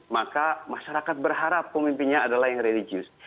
maka masyarakat berharap pemimpinnya adalah yang religius